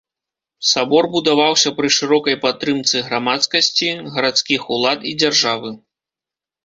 Сабор будаваўся пры шырокай падтрымцы грамадскасці, гарадскіх улад і дзяржавы.